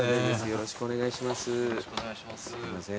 よろしくお願いします。